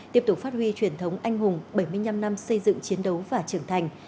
tiếp tục phát huy truyền thống anh hùng bảy mươi năm năm xây dựng chiến đấu và trưởng thành